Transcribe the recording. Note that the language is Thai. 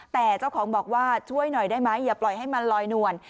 แต่เจ้าของบอกว่าช่วยหน่อยได้ไหมอย่าปล่อยให้มันลอยนวล